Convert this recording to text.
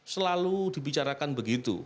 selalu dibicarakan begitu